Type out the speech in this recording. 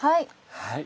はい。